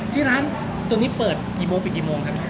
ที่ร้านตัวนี้เปิดกี่โมงปิดกี่โมงครับ